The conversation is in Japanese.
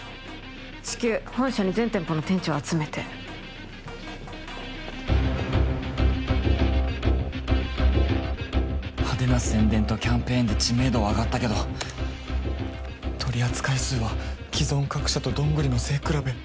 至急本社に全店舗の店長を集めて派手な宣伝とキャンペーンで知名度は上がったけど取り扱い数は既存各社とどんぐりの背くらべ